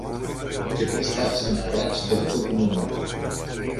και προσπάθησε να γράψει το δικό του νούμερο